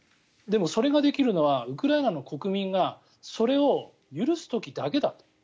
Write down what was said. でも、それができるのはウクライナの国民がそれを許す時だけだと。